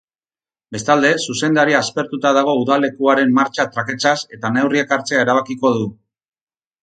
Bestalde, zuzendaria aspertuta dago udalekuaren martxa traketsaz eta neurriak hartzea erabakiko du.